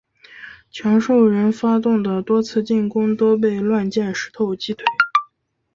强兽人发动的多次进攻都被乱箭石头击退。